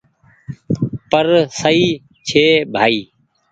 پر سئي ڇي ڀآئي ۔